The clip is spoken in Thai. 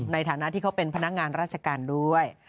ในฐานะที่เขาเป็นพนักงานราชการด้วย